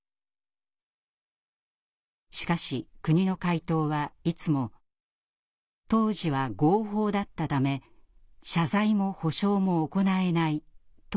しかし国の回答はいつも「当時は合法だったため謝罪も補償も行えない」というものでした。